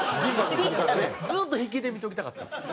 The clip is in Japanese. ずっと引きで見ときたかった。